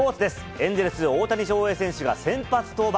エンゼルス、大谷翔平選手が先発登板。